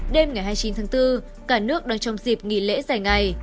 đêm ngày hai mươi chín tháng bốn cả nước đang trong dịp nghỉ lễ dài ngày